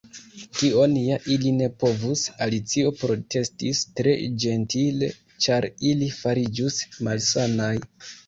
"Tion ja ili ne povus," Alicio protestis tre ĝentile, "ĉar ili fariĝus malsanaj."